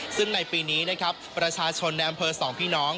ซึ่งในปีนี้นะครับประชาชนในอำเภอสองพี่น้อง